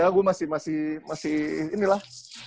ya udah gue masih masih ini lah